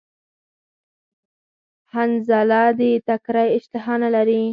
حنظله د تکری اشتها نلری